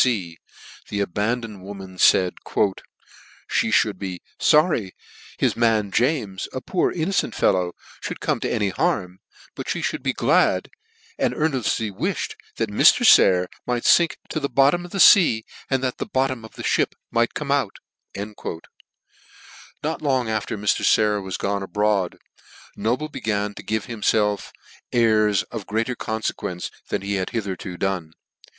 fea, the abandoned woman faid " She fhould be " forry his man James, a poor innocent fellow, " fhould come to any harm , but fhe mould be " glad, and earneftly wifhed that Mr. Sayer might " fink to the bottom of the fea, and that the bot *' torn of the (hip might come out." Not long after Mr. Sayer was gone abroad, No ble began to give himlelf airs of greater confe quence than he had hitherto done.